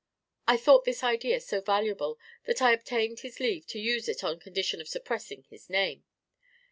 I thought this idea so valuable, that I obtained his leave to use it on condition of suppressing his name.)